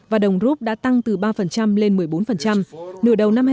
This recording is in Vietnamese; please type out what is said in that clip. và đồng rút đã tăng từ ba lên một mươi bốn